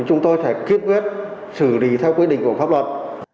thì chúng tôi sẽ kết quyết xử lý theo quyết định của pháp luật